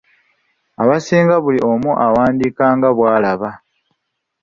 Abasinga buli omu awandiika nga bw’alaba.